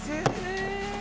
え！